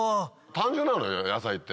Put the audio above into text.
単純なのよ野菜って。